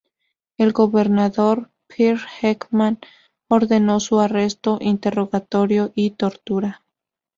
El gobernador Pehr Ekman ordenó su arresto, interrogatorio y tortura.